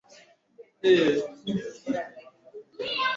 naendelea nchini ubelfiji katika jijini la brussels